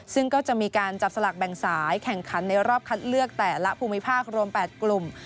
ซึ่งก็จะมีการจับสลากแบ่งสายแข่งขันในรอบคัดเลือกแต่ละภูมิภาครวม๘กลุ่ม